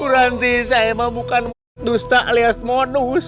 berhenti saya mah bukan dusta alias monus